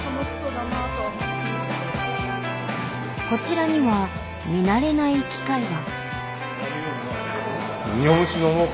こちらには見慣れない機械が。